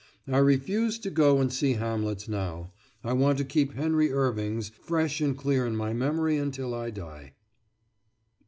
I refuse to go and see Hamlets now. I want to keep Henry Irving's fresh and clear in my memory until I die.